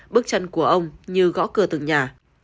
bước chân của ông như gõ cửa từng nhà